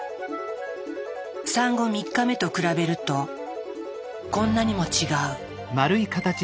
産後３日目と比べるとこんなにも違う。